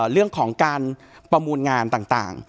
เรื่องของการประมูลงานต่าง